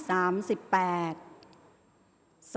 ออกรางวัลที่๖